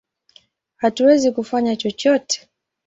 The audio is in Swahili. Hatuwezi kufanya chochote!